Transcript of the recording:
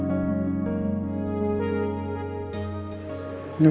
orang luf pro masih cap